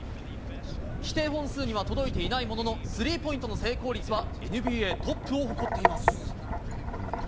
規定本数には届いていないものの、スリーポイントの成功率は、ＮＢＡトップを誇っています。